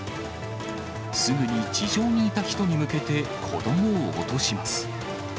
すぐに地上にいた人に向けて子どもを落とします。